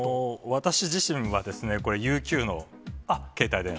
私自身はこれ、ＵＱの携帯電話。